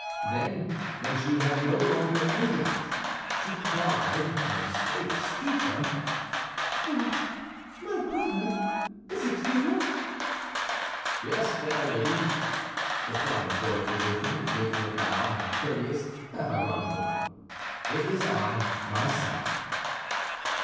Then when she had no longer any doubt, she cried, in a state of stupor, "What, my brother, is it you?" "Yes, fair lady!" replied Lord de Winter, making a bow, half courteous, half ironical; "it is I, myself."